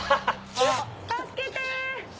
助けて！